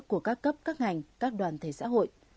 của các cấp các ngành các đoàn thể xã hội